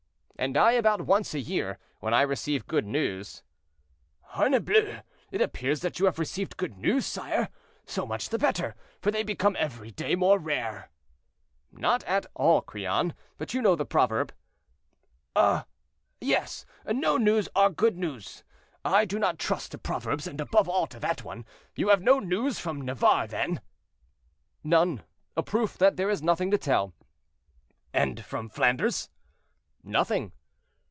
"And I about once a year, when I receive good news." "Harnibleu! it appears that you have received good news, sire? So much the better, for they become every day more rare." "Not at all, Crillon; but you know the proverb." "Ah! yes—'no news are good news.' I do not trust to proverbs, and above all to that one. You have no news from Navarre, then?" "None—a proof that there is nothing to tell." "And from Flanders?" "Nothing."